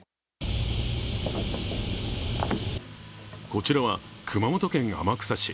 こちらは熊本県天草市。